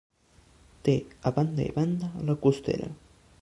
Té a banda i banda la Costera.